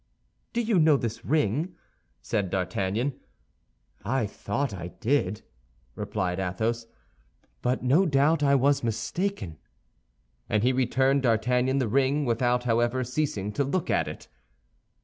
"Do you know this ring?" said D'Artagnan. "I thought I did," replied Athos; "but no doubt I was mistaken." And he returned D'Artagnan the ring without, however, ceasing to look at it.